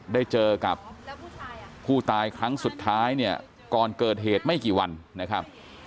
ได้เจอกับผู้ตายครั้งสุดท้ายเนี่ยก่อนเกิดเหตุไม่กี่วันนะครับ